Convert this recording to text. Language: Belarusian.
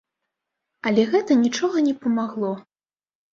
Але гэта нічога не памагло.